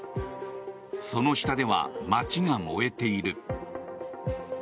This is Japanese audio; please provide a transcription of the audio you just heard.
その下では街が燃えている。